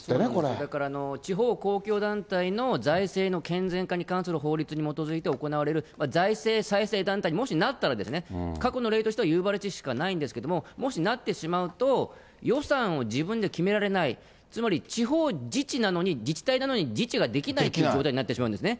だから地方公共団体の財政の健全化に関する法律に基づいて行われる、財政再生団体にもしなったら、過去の例としては夕張市しかないんですけれども、もしなってしまうと、予算を自分で決められない、つまり地方自治なのに、自治体なのに自治ができない状態になってしまうんですね。